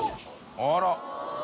あら！